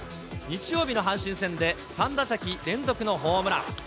日曜日の阪神戦で、３打席連続のホームラン。